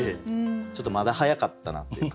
ちょっとまだ早かったなっていうか。